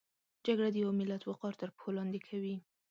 جګړه د یو ملت وقار تر پښو لاندې کوي